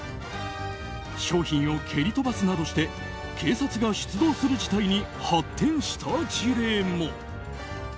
商品を蹴り飛ばすなどして警察が出動する事態に発展した事例も。